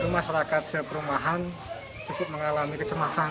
masyarakat seberumahan cukup mengalami kecemasan